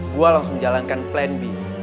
gue langsung jalankan plan b